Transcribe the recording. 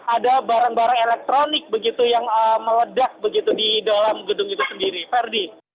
ada barang barang elektronik begitu yang meledak begitu di dalam gedung itu sendiri ferdi